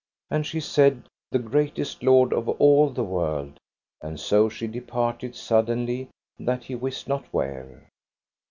And she said the greatest lord of all the world: and so she departed suddenly that he wist not where.